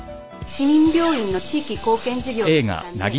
「市民病院の地域貢献事業の一環で」